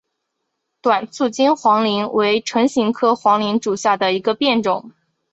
短促京黄芩为唇形科黄芩属下的一个变种。